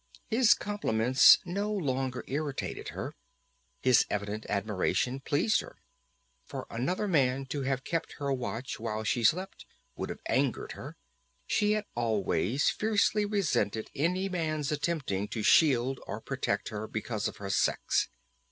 His compliments no longer irritated her. His evident admiration pleased her. For another man to have kept her watch while she slept would have angered her; she had always fiercely resented any man's attempting to shield or protect her because of her sex.